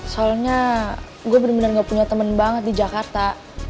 soalnya gue bener bener gak punya temen banget di jakarta